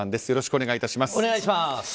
よろしくお願いします。